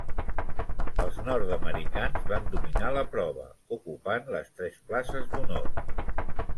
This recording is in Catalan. Els nord-americans van dominar la prova, ocupant les tres places d'honor.